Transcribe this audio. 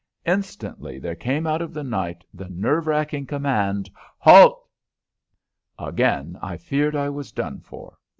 Instantly there came out of the night the nerve racking command, "Halt!" Again I feared I was done for.